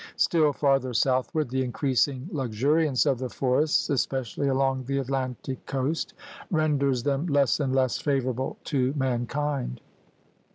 Still farther southward the increasing luxuriance of the forests, especially along the Atlantic coast, renders them less and less favorable to mankind.